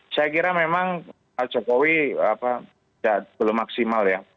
saya kira memang pak jokowi belum maksimal ya